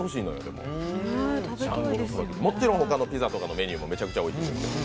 もちろんほかのピザとかのメニューも、めちゃくちゃおいしいんですけど。